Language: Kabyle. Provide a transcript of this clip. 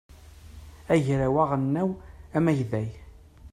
agraw aɣelnaw amagday